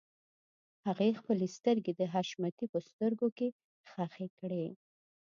هغې خپلې سترګې د حشمتي په سترګو کې ښخې کړې.